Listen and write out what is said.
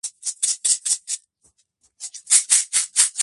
თავდაპირველად გამოვიდა ორ სერიად, შემდგომში შეიქმნა როგორც ერთი მთლიანი ფილმი.